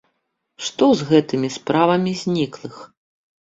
Што з гэтымі справамі зніклых?